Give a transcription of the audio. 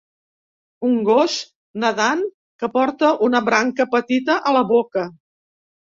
Un gos nedant que porta una branca petita a la boca.